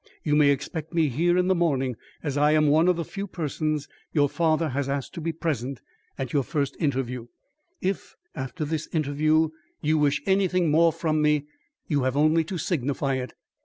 You may expect me here in the morning, as I am one of the few persons your father has asked to be present at your first interview. If after this interview you wish anything more from me, you have only to signify it.